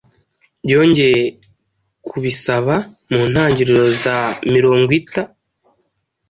Yongeye kubisaba mu ntangiriro za mirongwita